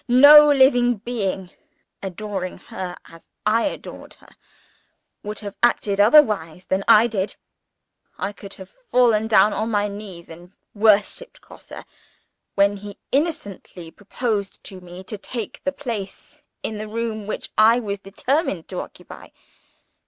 No living being, adoring her as I adored her, would have acted otherwise than I did. I could have fallen down on my knees and worshipped Grosse, when he innocently proposed to me to take the very place in the room which I was determined to occupy.